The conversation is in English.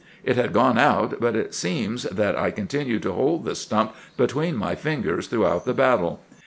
It had gone out, but it seems that I continued to hold the stump* between my fingers throughout the battle.